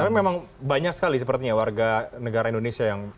tapi memang banyak sekali sepertinya warga negara indonesia yang